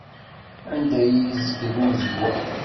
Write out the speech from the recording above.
Anda i yi-izgel unezgum.